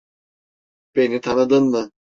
Beni tanıdın mı?